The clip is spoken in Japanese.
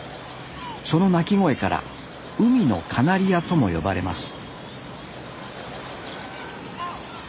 その鳴き声から海のカナリアとも呼ばれます